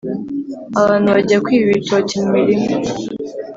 abantu bajya kwiba ibitoki mu milima